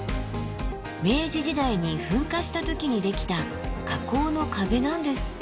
明治時代に噴火した時にできた火口の壁なんですって。